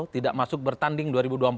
tidak masuk bertanding dua ribu dua puluh empat